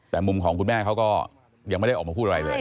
แต่มุมของคุณแม่เขาก็ยังไม่ได้ออกมาพูดอะไรเลย